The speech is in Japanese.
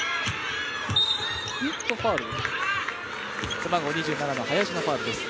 背番号２７の林のファウルです。